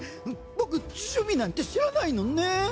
僕珠魅なんて知らないのねん。